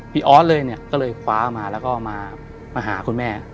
ออสเลยเนี่ยก็เลยคว้ามาแล้วก็มาหาคุณแม่